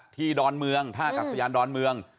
ที่ดอนเมืองทางอักษยานดอนเมือง